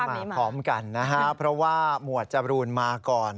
แต่ไม่ได้มาพร้อมกันนะครับเพราะว่าหมวดจบรูนมาก่อน